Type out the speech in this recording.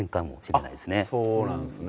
そうなんですね。